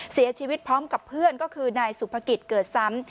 เสียชีวิตพร้อมกับเพื่อนก็คือนายสุภกิจเกิดซ้ำ